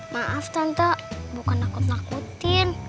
maaf tante bukan aku takutin